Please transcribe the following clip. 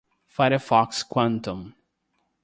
Firefox Quantum